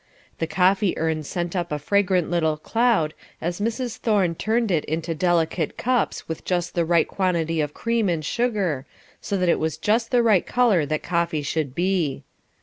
The coffee urn sent up a fragrant little cloud as Mrs. Thorne turned it into delicate cups with just the right quantity of cream and sugar, so that it was just the right colour that coffee should be.